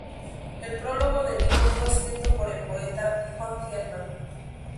El prólogo del libro fue escrito por el poeta Juan Gelman.